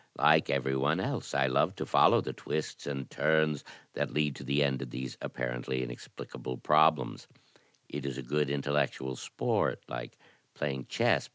Like every one else I love to follow the twists and turns that 66 THE TECHNIQUE OF THE MYSTERY STORY lead to the end of these apparently inexplicable problems. It is a good intellectual sport — like playing chess.